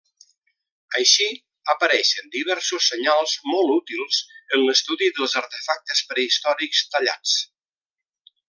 Així, apareixen diversos senyals molt útils en l'estudi dels artefactes prehistòrics tallats.